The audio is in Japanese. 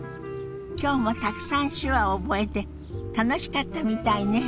今日もたくさん手話を覚えて楽しかったみたいね。